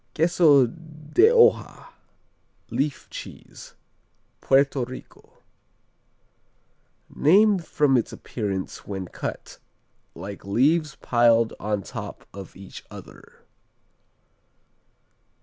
Queso de Hoja, Leaf Cheese Puerto Rico Named from its appearance when cut, like leaves piled on top of each other.